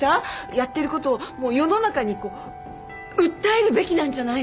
やってることを世の中にこう訴えるべきなんじゃないの？